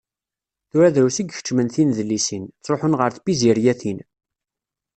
Tura drus i ikeččmen tinedlisin, ttruḥun ɣer tpizziryatin.